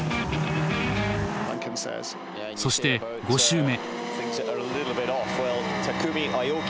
そして５周目。